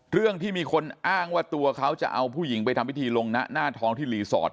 เรื่องที่มีคนอ้างว่าตัวเขาจะเอาผู้หญิงไปทำพิธีลงหน้าท้องที่รีสอร์ท